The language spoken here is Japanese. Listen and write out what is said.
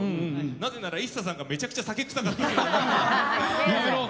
なぜならＩＳＳＡさんがめちゃくちゃ酒臭かったから。